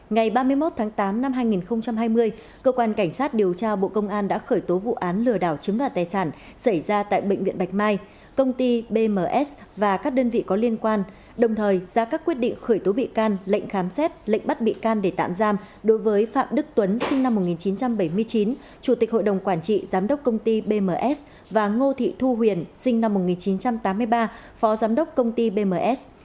ngày ba mươi một tháng tám năm hai nghìn hai mươi cơ quan cảnh sát điều tra bộ công an đã khởi tố vụ án lừa đảo chứng đoạt tài sản xảy ra tại bệnh viện bạch mai công ty bms và các đơn vị có liên quan đồng thời ra các quyết định khởi tố bị can lệnh khám xét lệnh bắt bị can để tạm giam đối với phạm đức tuấn sinh năm một nghìn chín trăm bảy mươi chín chủ tịch hội đồng quản trị giám đốc công ty bms và ngô thị thu huyền sinh năm một nghìn chín trăm tám mươi ba phó giám đốc công ty bms